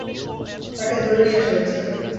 তাকে ধরে নিয়ে আসা হচ্ছে।